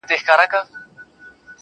• مخ ځيني اړومه.